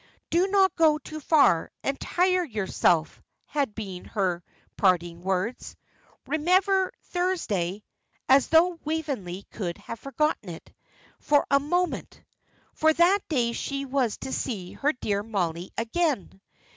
"Do not go too far, and tire yourself," had been her parting words. "Remember Thursday." As though Waveney could have forgotten it, for a moment! For that day she was to see her dear Mollie again.